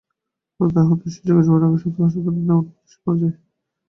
গুরুতর আহত ওই শিশুকে চুয়াডাঙ্গা সদর হাসপাতালে নেওয়ার পথে সে মারা যায়।